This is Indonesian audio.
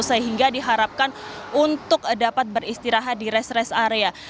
sehingga diharapkan untuk dapat beristirahat di rest rest area